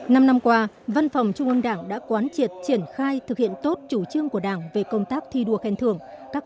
năm năm qua văn phòng trung ương đảng đã quán triệt triển khai thực hiện tốt chủ trương của đảng về công tác thi đua khen thưởng